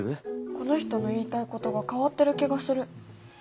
この人の言いたいことが変わってる気がする。